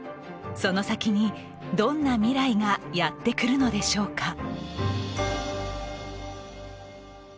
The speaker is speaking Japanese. その先に、どんな未来がやってくるのでしょうか。